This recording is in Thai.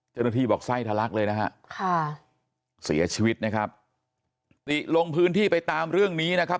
เจ้าหน้าที่บอกไส้ทะลักเลยนะฮะค่ะเสียชีวิตนะครับติลงพื้นที่ไปตามเรื่องนี้นะครับ